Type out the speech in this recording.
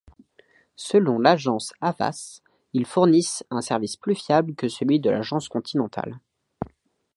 Selon l'agence Havas, ils fournissent un service plus fiable que celui de l'agence Continentale.